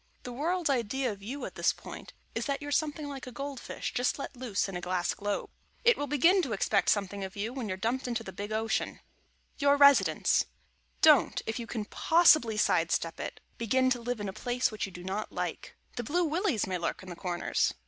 The World's idea of you at this point is, that you're something like a gold fish just let loose in a glass globe. It will begin to expect something of you when you're dumped into the big Ocean. [Sidenote: YOUR RESIDENCE] Don't, if you can possibly side step it, begin to live in a place which you do not like. The Blue Willies may lurk in the corners.